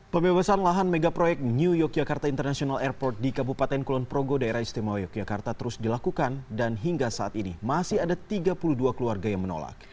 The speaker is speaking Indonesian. pembebasan lahan megaproyek new yogyakarta international airport di kabupaten kulonprogo daerah istimewa yogyakarta terus dilakukan dan hingga saat ini masih ada tiga puluh dua keluarga yang menolak